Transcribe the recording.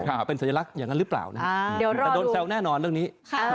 แต่โดนแซวแน่นอนเรื่องนี้